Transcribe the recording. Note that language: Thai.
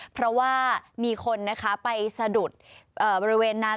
เพราะว่ามีคนนะคะไปสะดุดบริเวณนั้น